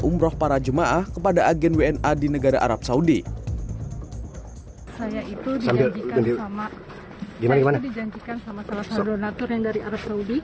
umroh para jemaah kepada agen wna di negara arab saudi saya itu sampai dengan sama gimana